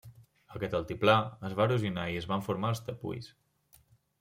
Aquest altiplà es va erosionar i es van formar els tepuis.